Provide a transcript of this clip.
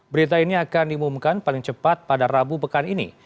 berita ini akan diumumkan paling cepat pada rabu pekan ini